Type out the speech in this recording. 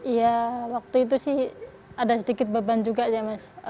ya waktu itu sih ada sedikit beban juga ya mas